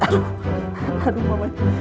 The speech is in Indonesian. aduh pak mai